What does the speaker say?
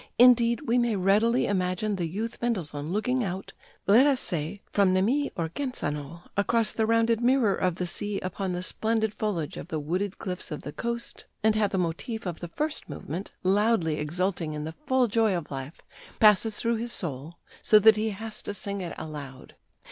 Indeed, we may readily imagine the youth Mendelssohn looking out, let us say, from Nemi or Genzano across the rounded mirror of the sea upon the splendid foliage of the wooded cliffs of the coast, and how the motive of the first movement, loudly exulting in the full joy of life, passes through his soul, so that he has to sing it aloud.